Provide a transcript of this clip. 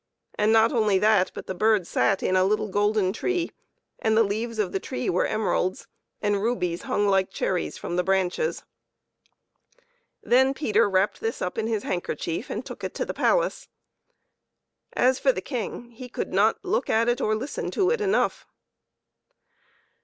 And not only that, but the bird sat in a little golden tree, and the leaves of the tree were emeralds, and rubies hung like cherries from the branches. Then Peter wrapped this up in his handkerchief and took it to the palace. As for the King, he could not look at it or listen to it enough.